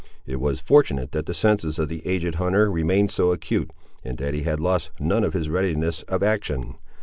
It was fortunate that the senses of the aged hunter remained so acute, and that he had lost none of his readiness of action.